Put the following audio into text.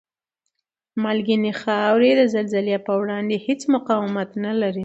مالګینې خاورې د زلزلې په وړاندې هېڅ مقاومت نلري؟